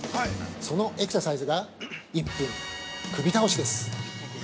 そのエクササイズが「１分首倒し」です。